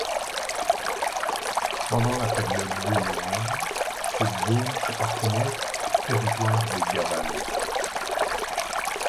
Pendant la période gauloise, cette zone appartenait au territoire des Gabales.